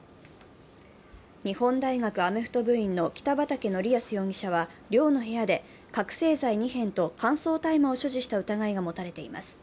日本大学アメフト部員の北畠成文容疑者は寮の部屋で覚醒剤２片と乾燥大麻を所持した疑いが持たれています。